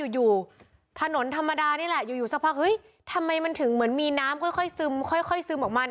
อยู่ถนนธรรมดานี่ทำไมมันถึงเหมือนมีน้ำค่อยซึมซึมออกมา